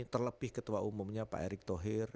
terlebih ketua umumnya pak erick thohir